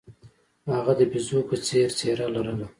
هغه د بیزو په څیر څیره لرله.